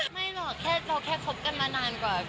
ไม่เหรอเราแค่คบกันมาก่อน